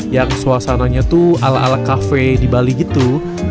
yang suasananya tuh ala ala kafe di bali gitu